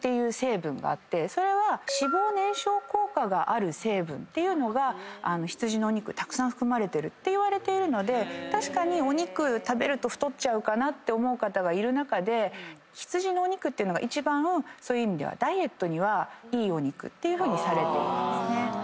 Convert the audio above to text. それは脂肪燃焼効果がある成分っていうのが羊のお肉たくさん含まれてるっていわれているので確かにお肉食べると太っちゃうかなって思う方がいる中で羊のお肉っていうのが一番そういう意味ではダイエットにはいいお肉っていうふうにされてるんですね。